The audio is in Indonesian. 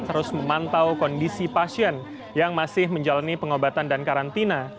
terus memantau kondisi pasien yang masih menjalani pengobatan dan karantina